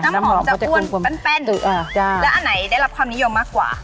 น้ำหอมจะอ้วนแป้นแล้วอันไหนได้รับความนิยมมากกว่า